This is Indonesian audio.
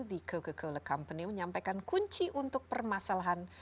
di coca cola company menyampaikan kunci untuk permasalahan